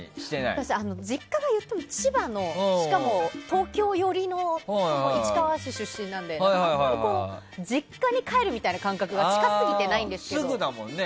私、実家が言っても千葉のしかも、東京寄りの市川市出身なのであんまり実家に帰るみたいな感覚が近すぎてないんですよね。